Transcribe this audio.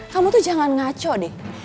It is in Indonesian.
kamu tuh jangan ngaco deh